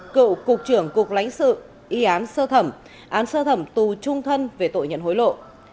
cựu cục trưởng cục lãnh sự y án sơ thẩm án sơ thẩm tù trung thân về tội nhận hối lộ